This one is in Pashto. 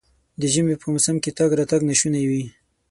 د ژمي په موسم کې تګ راتګ ناشونی وي.